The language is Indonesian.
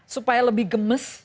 supaya lebih gemes